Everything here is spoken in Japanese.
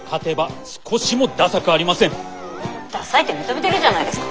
ダサいって認めてるじゃないですか。